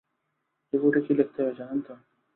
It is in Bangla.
রিপোর্টে কী লিখতে হবে জানেন তো?